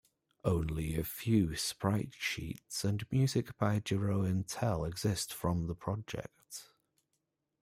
Only a few sprite-sheets and music by Jeroen Tel exist from the project.